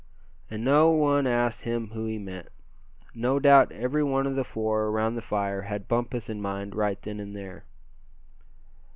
And no one asked him who he meant. No doubt every one of the four around the fire had Bumpus in mind right then and there.